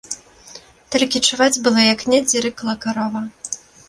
Толькі чуваць было, як недзе рыкала карова.